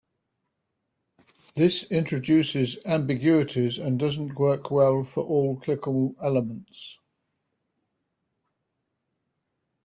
This introduces ambiguities and doesn't work well for all clickable elements.